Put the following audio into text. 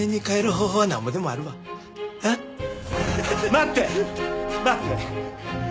待って待って。